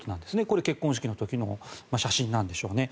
これ、結婚式の時の写真なんでしょうね。